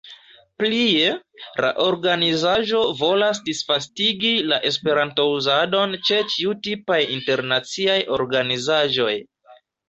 Plie, la organizaĵo volas disvastigi la esperanto-uzadon ĉe ĉiutipaj internaciaj organizaĵoj.